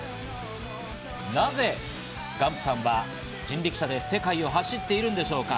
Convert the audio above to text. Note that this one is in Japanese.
なぜ、ガンプさんは人力車で世界を走っているんでしょうか？